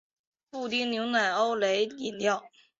布丁牛奶欧蕾饮料